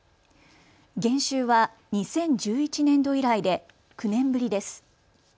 減収は２０１１年度以来で９年ぶりです。